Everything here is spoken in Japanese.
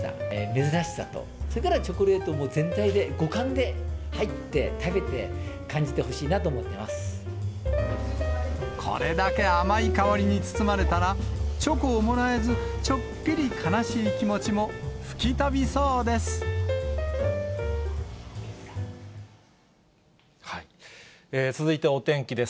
珍しさと、それからチョコレートも全体で、五感で、入って、食べて、これだけ甘い香りに包まれたら、チョコをもらえず、ちょっぴり悲しい気持ちも吹き飛びそうです。